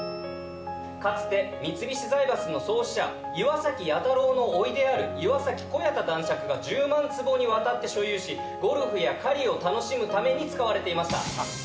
かつて三菱財閥の創始者岩崎弥太郎の甥である岩崎小弥太男爵が１０万坪にわたって所有しゴルフや狩りを楽しむために使われていました。